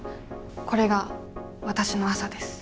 これがわたしの朝です。